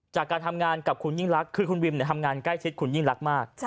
จากการทำงานกับคุณยิ่งรักคือคุณวิมทำงานใกล้ชิดคุณยิ่งรักมาก